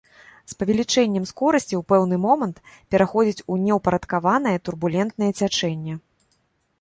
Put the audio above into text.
З павелічэннем скорасці ў пэўны момант пераходзіць у неўпарадкаванае турбулентнае цячэнне.